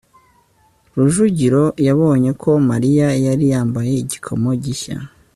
rujugiro yabonye ko mariya yari yambaye igikomo gishya